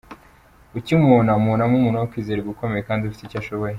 Ukimubona, umubonamo umuntu wo kwizerwa, ukomeye kandi ufite icyo ashoboye.